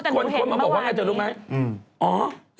คนไปบอกว่าว่าตั้งแต่เห็นเมื่อวาลนี้